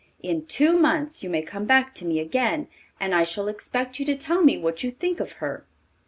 In two months you may come back to me again, and I shall expect you to tell me what you think of her.